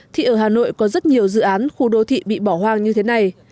thì ở hà nội có rất nhiều dự án khu đô thị bị bỏ hoang như thế này